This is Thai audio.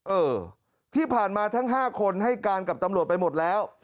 เออที่ผ่านมาทั้ง๕คนให้การกับตำรวจไปหมดแล้ว